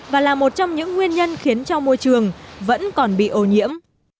và là một trong những nguyên nhân khiến cho môi trường vẫn còn bị ô nhiễm